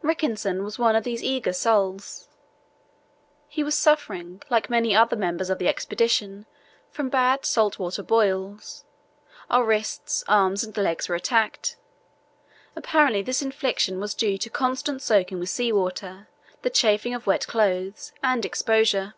Rickenson was one of these eager souls. He was suffering, like many other members of the Expedition, from bad salt water boils. Our wrists, arms, and legs were attacked. Apparently this infliction was due to constant soaking with sea water, the chafing of wet clothes, and exposure.